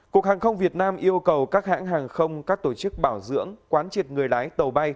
cục hàng không việt nam yêu cầu các hãng hàng không các tổ chức bảo dưỡng quán triệt người lái tàu bay